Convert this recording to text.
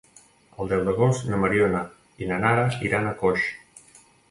El deu d'agost na Mariona i na Nara iran a Coix.